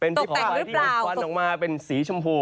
เป็นที่ขอไฟที่มีควันออกมาเป็นสีชมพู